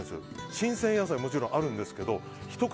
新鮮野菜、もちろんあるんですがひと口